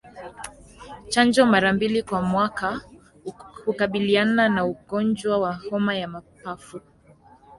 Chanjo mara mbili kwa mwaka hukabiliana na ugonjwa wa homa ya mapafu